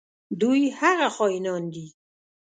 دوی هغه خاینان دي.